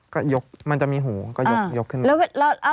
ก็ยกมันจะมีหูก็ยกขึ้นมา